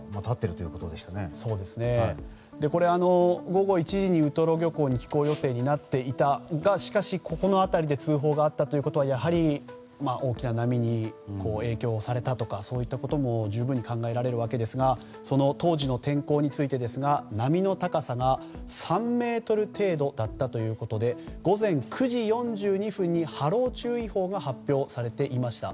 午後１時にウトロ漁港に帰港予定になっていたのがこの辺りで通報があったということはやはり大きな波に影響されたとかそういったことも十分に考えられるわけですがその当時の天候について波の高さが３ｍ程度だったということで午前９時４２分に波浪注意報が発表されていました。